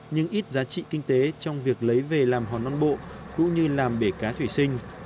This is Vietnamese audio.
nhưng ít giá trị kinh tế trong việc lấy về làm hòn nam bộ cũng như làm bể cá thủy sinh